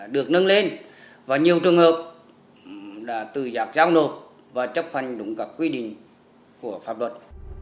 được nâng lên và nhiều trường hợp đã tự giác giao nộp và chấp hành đúng các quy định của pháp luật